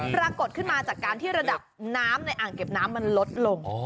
ปรากฏขึ้นมาจากการที่ระดับน้ำในอ่างเก็บน้ำมันลดลง